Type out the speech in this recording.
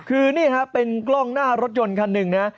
คือนี่ครับเป็นกล้องหน้ารถยนต์คันหนึ่งนะ